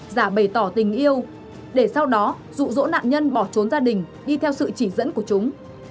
giả bày tỏ tình yêu để sau đó rụ rỗ nạn nhân bỏ trốn gia đình đi theo sự chỉ dẫn của chúng